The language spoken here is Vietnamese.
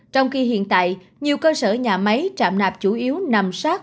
trong khi hiện tại nhiều cơ sở nhà máy chạm nạp chủ yếu nằm sát